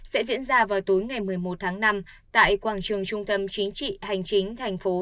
sẽ diễn ra vào tối ngày một mươi một tháng năm tại quảng trường trung tâm chính trị hành chính thành phố